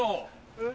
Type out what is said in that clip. えっ？